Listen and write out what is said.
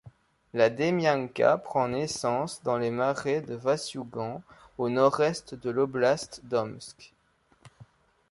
La Demianka prend naissance dans les marais de Vassiougan, au nord-est de l'oblast d'Omsk.